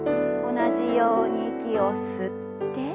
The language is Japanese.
同じように息を吸って。